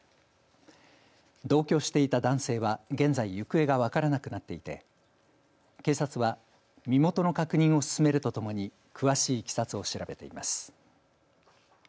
同居していた男性は現在行方が分からなくなっていて警察は身元の確認を進めるとともに詳しいいきさつを調べています。